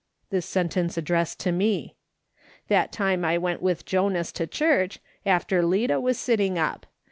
(This sentence addressed to me.) " That time I went with Jonas to church, after Lida was sitting up.